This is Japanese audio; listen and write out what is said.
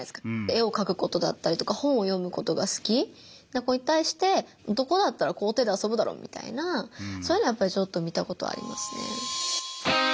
絵を描くことだったりとか本を読むことが好きな子に対して男だったら校庭で遊ぶだろみたいなそういうのはやっぱりちょっと見たことありますね。